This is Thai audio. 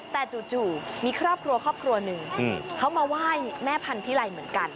แต่จู่มีครอบครัวครอบครัวหนึ่งเขามาไหว้แม่พันธิไลเหมือนกัน